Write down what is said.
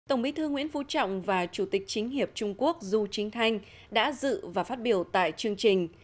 tổng bí thư nguyễn phú trọng và chủ tịch chính hiệp trung quốc du chính thanh đã dự và phát biểu tại chương trình